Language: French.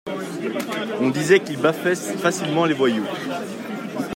on disait qu’il baffait facilement les voyous.